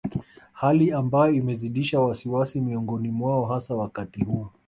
Hali ambayo imezidisha wasiwasi miongoni mwao hasa wakati huu